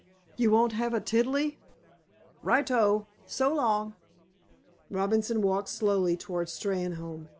You won't have a tiddley? Right o! So long!" Robinson walked slowly toward Steynholme.